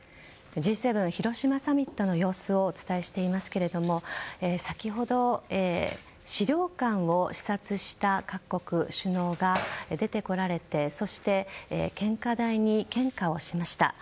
Ｇ７広島サミットの様子をお伝えしていますけれども先ほど、資料館を視察した各国首脳が出てこられてそして、献花台に献花をしました。